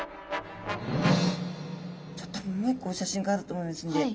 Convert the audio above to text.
ちょっともう一個お写真があると思いますので。